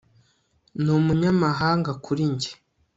ni umunyamahanga kuri njye